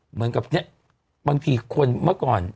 เหมือนกับเนี่ยบางทีคนเมื่อก่อน